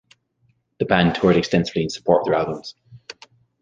The band toured extensively in support of their albums.